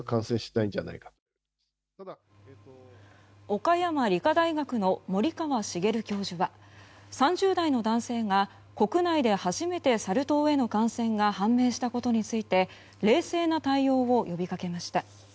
岡山理科大学の森川茂教授は３０代の男性が国内で初めてサル痘への感染が判明したことについて冷静な対応を呼びかけました。